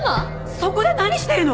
そこで何してるの！？